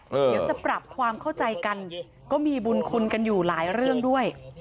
เดี๋ยวจะปรับความเข้าใจกันก็มีบุญคุณกันอยู่หลายเรื่องด้วย